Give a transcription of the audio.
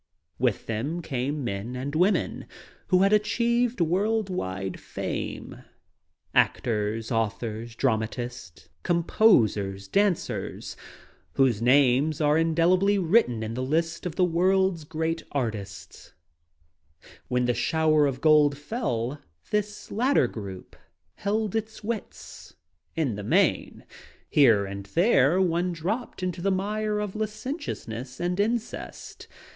With them came men and women who achieved world wide fame — actors, authors, dramat 12 DOPE! ists, composers, dancers, whose names are indelibly written in the list of the world's great artists. When the shower of gold fell this latter group held its wits — in the main. Here and there one dropped into the mire of licentiousness and incest.